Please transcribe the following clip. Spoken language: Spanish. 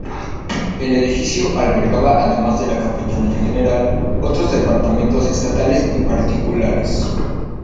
El edificio albergaba además de la Capitanía General, otros departamentos estatales y particulares.